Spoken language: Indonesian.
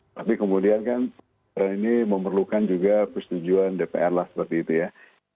tapi kemudian kan ini memerlukan juga persetujuan dpr lah seperti itu ya